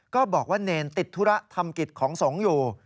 ก็บอกว่าเนรติดธุระทำกิจของสงฆ์อยู่